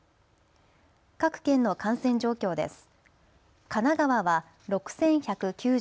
各県の感染状況です。